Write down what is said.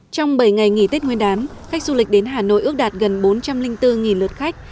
trong bảy ngày nghỉ tết nguyên đán khách du lịch đến hà nội ước đạt gần bốn trăm linh bốn lượt khách